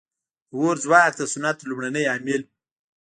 • د اور ځواک د صنعت لومړنی عامل و.